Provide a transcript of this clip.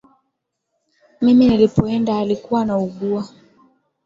Mimi nilipoenda alikuwa anaugua